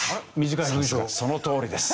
さすがそのとおりです。